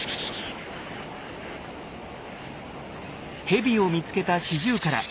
ヘビを見つけたシジュウカラ。